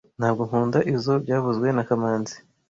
Ntabwo nkunda izoi byavuzwe na kamanzi